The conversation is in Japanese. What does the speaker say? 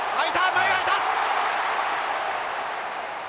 前空いた。